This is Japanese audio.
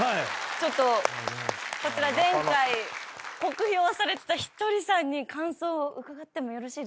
ちょっとこちら前回酷評されてたひとりさんに感想を伺ってもよろしいですか？